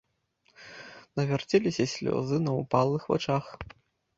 Навярцеліся слёзы на ўпалых вачах.